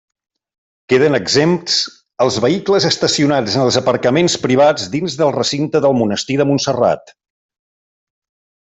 Queden exempts els vehicles estacionats en els aparcaments privats dins del recinte del monestir de Montserrat.